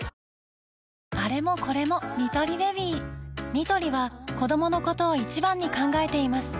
ニトリは子どものことを一番に考えています